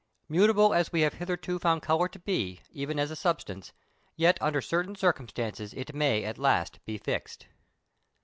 Mutable as we have hitherto found colour to be, even as a substance, yet under certain circumstances it may at last be fixed.